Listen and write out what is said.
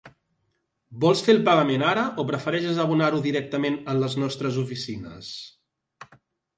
Vols fer el pagament ara o prefereixes abonar-ho directament en les nostres oficines?